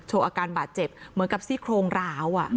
อาการบาดเจ็บเหมือนกับซี่โครงร้าว